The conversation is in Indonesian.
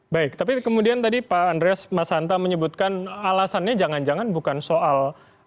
baik tapi kemudian tadi pak andreas mas hanta menyebutkan alasannya jangan jangan bukan soal